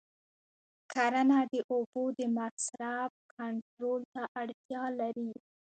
کرنه د اوبو د مصرف کنټرول ته اړتیا لري.